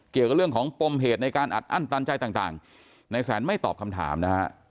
เกี่ยวกับเรื่องของปมเหตุในการอัดอั้นตันใจต่างในแสนไม่ตอบคำถามนะฮะ